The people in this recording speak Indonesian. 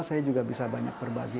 saya juga bisa banyak berbagi